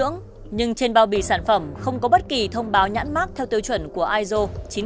nhưng trên bao bì sản phẩm không có bất kỳ thông báo nhãn mát theo tiêu chuẩn của iso chín nghìn một hai nghìn một mươi năm